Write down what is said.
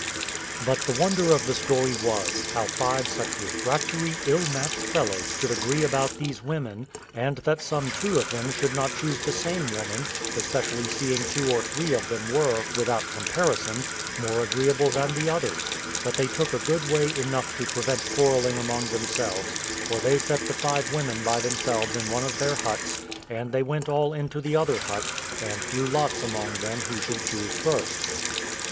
But the wonder of the story was, how five such refractory, ill matched fellows should agree about these women, and that some two of them should not choose the same woman, especially seeing two or three of them were, without comparison, more agreeable than the others; but they took a good way enough to prevent quarrelling among themselves, for they set the five women by themselves in one of their huts, and they went all into the other hut, and drew lots among them who should choose first.